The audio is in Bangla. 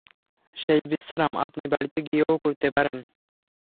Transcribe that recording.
সেই বিশ্রাম আপনি বাড়িতে গিয়েও করতে পারেন।